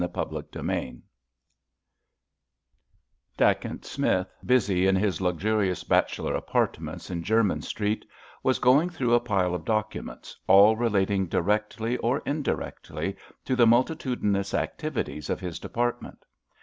CHAPTER VIII Dacent Smith, busy in his luxurious bachelor apartments in Jermyn Street, was going through a pile of documents, all relating directly or indirectly to the multitudinous activities of his department.